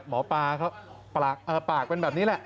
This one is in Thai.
หมอพลาเขาปากเอ่อปากเป็นแบบนี้แหละ